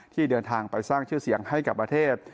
ที่เดินทางไปสร้างชื่อเสียงให้กับประเทศ